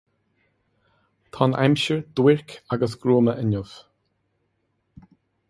Tá an aimsir duairc agus gruama inniu.